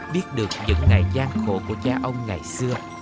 biết được những ngày gian khổ của cha ông ngày xưa